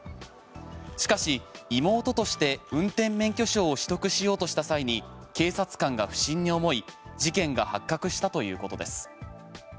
しかし、妹として運転免許証を取得しようとした際に警察官が不審に思い事件が発覚したということです。